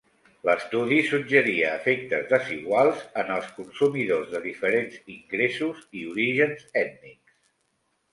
L'estudi suggeria efectes desiguals en els consumidors de diferents ingressos i orígens ètnics.